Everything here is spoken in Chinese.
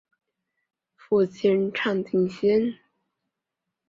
父亲畅敬先。